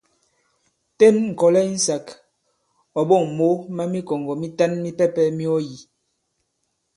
Ten ŋ̀kɔ̀lɛ insāk, ɔ̀ ɓôŋ mǒ ma mikɔ̀ŋgɔ̀ mitan mipɛpɛ̄ mi ɔ yī.